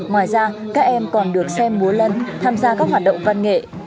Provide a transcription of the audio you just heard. ngoài ra các em còn được xem múa lân tham gia các hoạt động văn nghệ